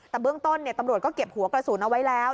แต่เบื้องต้นตำรวจก็เก็บหัวกระสุนเอาไว้แล้ว